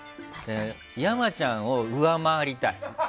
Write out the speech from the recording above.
山ちゃんを上回りたい。